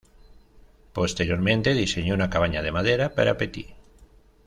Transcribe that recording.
Posteriormente diseñó una cabaña de madera para Pettit.